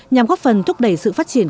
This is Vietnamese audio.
nhằm góp phần thúc đẩy sự phát triển